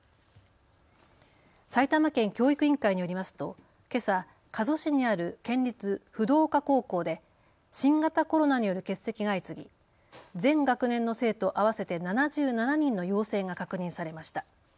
埼玉県教育委員会によりますとけさ加須市にある県立不動岡高校で新型コロナによる欠席が相次ぎ全学年の生徒合わせて７７人の陽性が確認されました。